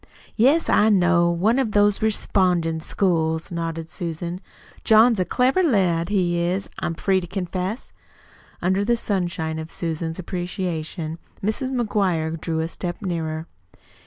"Yes, I know one of them respondin' schools," nodded Susan. "John's a clever lad, he is, I'm free to confess." Under the sunshine of Susan's appreciation Mrs. McGuire drew a step nearer.